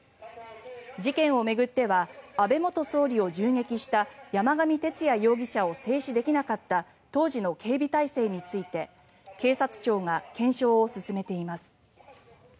事件を巡っては安倍元総理を銃撃した山上徹也容疑者を制止できなかった当時の警備態勢について警察庁が検証を進めています。